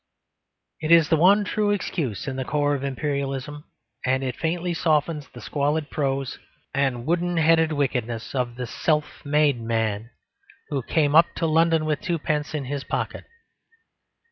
It is the one true excuse in the core of Imperialism; and it faintly softens the squalid prose and wooden headed wickedness of the Self Made Man who "came up to London with twopence in his pocket."